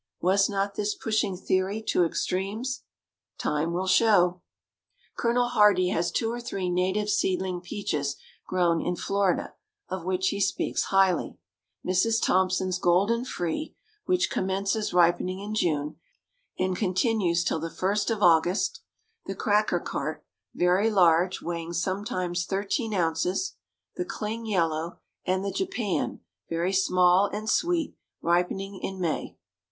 Was not this pushing theory to extremes? Time will show. Col. Hardee has two or three native seedling peaches grown in Florida, of which he speaks highly, Mrs. Thompson's Golden Free, which commences ripening in June, and continues till the first of August; the "Cracker Cart," very large, weighing sometimes thirteen ounces; the Cling Yellow; and the Japan, very small and sweet, ripening in May.